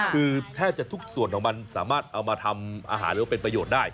คือแทบจะทุกส่วนของมันสามารถเอามาทำอาหารหรือว่าเป็นประโยชน์ได้